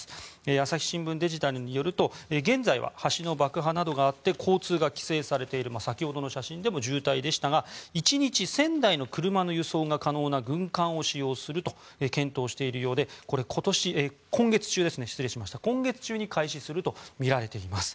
朝日新聞デジタルによると現在は橋の爆破などがあって交通が規制されている先ほどの写真でも渋滞でしたが１日１０００台の車の輸送が可能な軍艦を使用すると検討しているようで今月中に開始するとみられています。